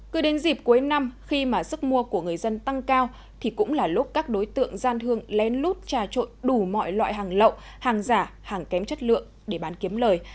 cứ đến dịp cuối năm khi mà sức mua của người dân tăng cao thì cũng là lúc các đối tượng gian thương lén lút trà trội đủ mọi loại hàng lậu hàng giả hàng kém chất lượng để bán kiếm lời